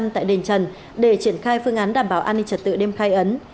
tại đền trần để triển khai phương án đảm bảo an ninh trật tự đêm khai ấn